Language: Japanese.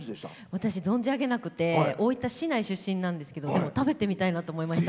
私、存じ上げなくて大分市内出身なんですけど食べてみたいなと思いました。